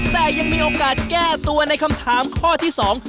แต่ยังมีโอกาสแก้ตัวในคำถามข้อที่สอง